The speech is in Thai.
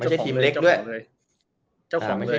ไม่ใช่ทีมเล็กด้วย